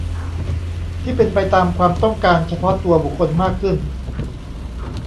ที่เป็นไปตามความต้องการเฉพาะตัวบุคคลมากขึ้น